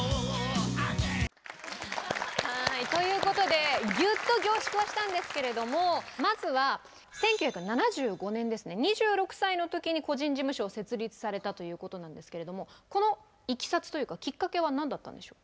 はいということでギュッと凝縮はしたんですけれどもまずは１９７５年ですね２６歳の時に個人事務所を設立されたということなんですけれどもこのいきさつというかきっかけは何だったんでしょう？